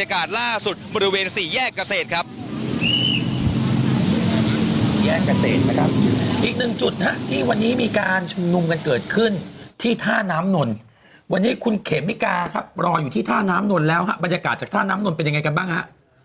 ขึ้นที่ท่าน้ำหน่วนวันนี้คุณเข็มนิกาครับรออยู่ที่ท่าน้ำหน่วนแล้วฮะบรรยากาศจากท่าน้ำหน่วนเป็นยังไงกันบ้างฮะ